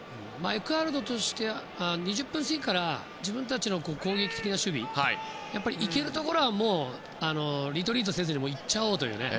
エクアドルとしては２０分過ぎから自分たちの攻撃的な守備行けるところはリトリートせず行っちゃおうという。